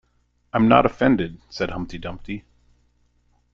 ‘I’m not offended,’ said Humpty Dumpty.